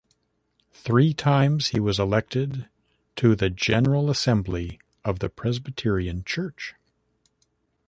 Three times he was elected to the General Assembly of the Presbyterian Church.